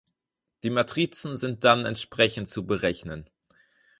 Die Matrizen sind dann entsprechend zu berechnen.